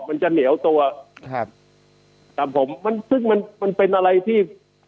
มันจะเหนียวตัวครับครับผมมันซึ่งมันมันเป็นอะไรที่